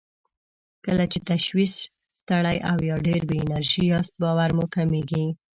کله چې تشویش، ستړی او يا ډېر بې انرژي ياست باور مو کمېږي.